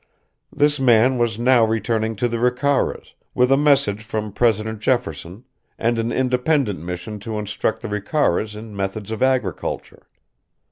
This man was now returning to the Ricaras, with a message from President Jefferson, and an independent mission to instruct the Ricaras in methods of agriculture.